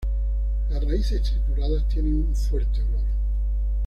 Las raíces trituradas tienen un fuerte olor.